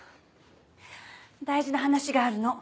大事な話があるの。